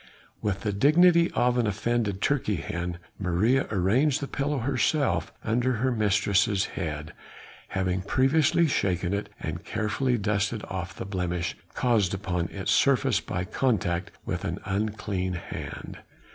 With the dignity of an offended turkey hen, Maria arranged the pillow herself under her mistress's head, having previously shaken it and carefully dusted off the blemish caused upon its surface by contact with an unclean hand.